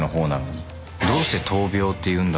「どうして『闘病』って言うんだろう」